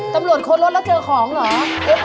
คนรถแล้วเจอของเหรอ